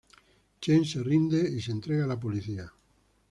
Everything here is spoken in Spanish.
Cheng se rinde y se entrega a la policía.